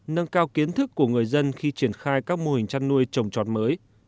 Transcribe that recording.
nâng cao kiến thức của người dân khi triển khai các mô hình chăn nuôi trồng trọt mới